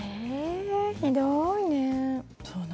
ひどいね。